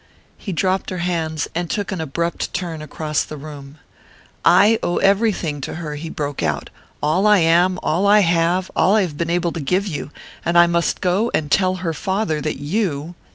He dropped her hands and took an abrupt turn across the room. "I owe everything to her," he broke out, "all I am, all I have, all I have been able to give you and I must go and tell her father that you...."